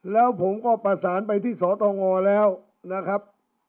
แล้วผมก็ประสานไปที่สตงแล้วนะครับ